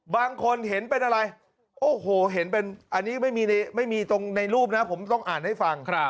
บางคนเห็นเป็นอะไรโอ้โหเห็นเป็นอันนี้ไม่มีตรงในรูปนะผมต้องอ่านให้ฟัง